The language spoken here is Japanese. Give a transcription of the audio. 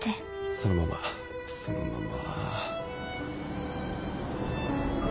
そのままそのまま。